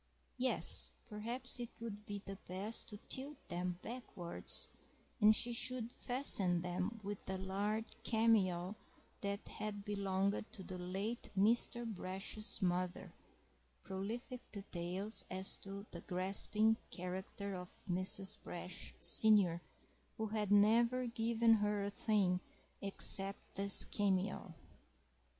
Yes, perhaps it would be the best to tilt them backwards, and she should fasten them with a large cameo that had belonged to the late Mr. Brash's mother (prolific details as to the grasping character of Mrs. Brash, senior, who had never given her a thing except this cameo).